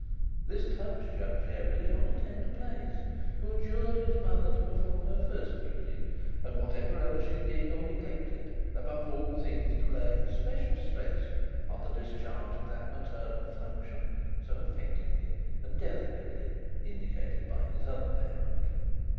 This touched Young Jerry on a tender place; who adjured his mother to perform her first duty, and, whatever else she did or neglected, above all things to lay especial stress on the discharge of that maternal function so affectingly and delicately indicated by his other parent.